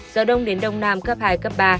gió đông đến đông nam cấp hai cấp ba